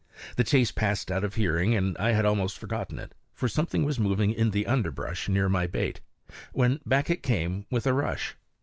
The chase passed out of hearing, and I had almost forgotten it, for something was moving in the underbrush near my bait, when back it came with a rush.